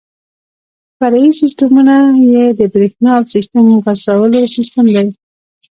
فرعي سیسټمونه یې د بریښنا او سیسټم غځولو سیستم دی.